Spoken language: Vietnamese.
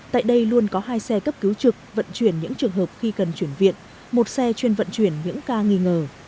tại đây luôn có hai xe cấp cứu trực vận chuyển những trường hợp khi cần chuyển viện một xe chuyên vận chuyển những ca nghi ngờ